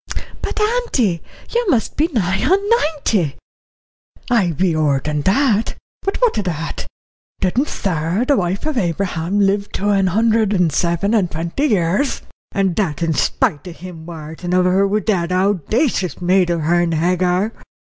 "But, auntie, you must be nigh on ninety." "I be ower that. But what o' that? Didn't Sarah, the wife of Abraham, live to an hundred and seven and twenty years, and that in spite of him worritin' of her wi' that owdacious maid of hern, Hagar?